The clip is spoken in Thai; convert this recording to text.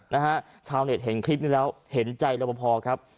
นะฮะชาวเน็ตเห็นคลิปนี้แล้วเห็นใจรับประพอครับ